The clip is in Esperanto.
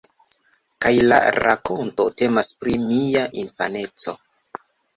Kaj la rakonto temas pri mia infaneco.